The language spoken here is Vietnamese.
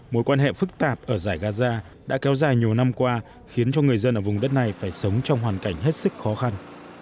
mối quan hệ phức tạp ở giải gaza đã kéo dài nhiều năm qua khiến cho người dân ở vùng đất này phải sống trong hoàn cảnh hết sức khó khăn